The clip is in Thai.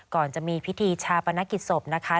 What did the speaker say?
ก่อนจะมีพิธีชาปนกิจศพนะคะ